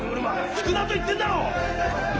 引くなと言ってるだろう！